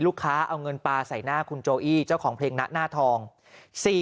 เอาเงินปลาใส่หน้าคุณโจอี้เจ้าของเพลงนะหน้าทอง